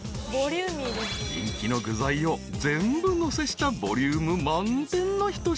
［人気の具材を全部のせしたボリューム満点の一品］